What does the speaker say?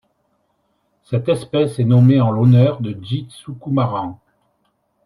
Cette espèce est nommée en l'honneur de Jeet Sukumaran.